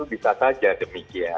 bisa saja demikian